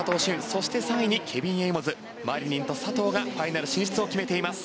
そして、３位にケビン・エイモズマリニンと佐藤がファイナル進出を決めています。